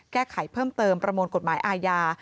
แก้ไขเพิ่มเติมประมวลกฎหมายอาญา